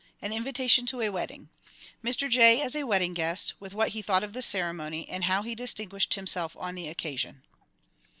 An invitation to a Wedding. Mr J. as a wedding guest, with what he thought of the ceremony, and how he distinguished himself on the occasion.